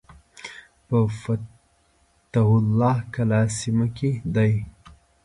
په فتح الله کلا سیمه کې دی.